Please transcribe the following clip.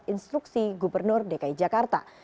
instruksi gubernur dki jakarta